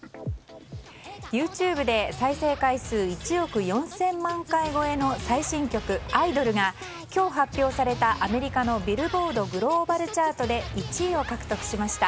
ＹｏｕＴｕｂｅで再生回数１億４０００万回超えの最新曲「アイドル」が今日発表されたアメリカのビルボード・グローバル・チャートで１位を獲得しました。